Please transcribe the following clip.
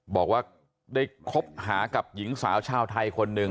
บอกว่าได้คบหากับหญิงสาวชาวไทยคนหนึ่ง